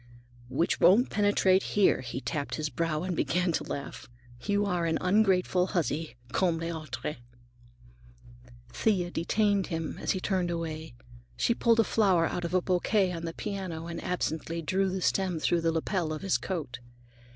"Which won't penetrate here," he tapped his brow and began to laugh. "You are an ungrateful huzzy, comme les autres!" Thea detained him as he turned away. She pulled a flower out of a bouquet on the piano and absently drew the stem through the lapel of his coat.